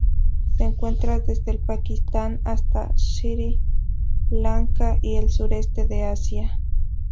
Se encuentra desde el Pakistán hasta Sri Lanka y el sureste de Asia.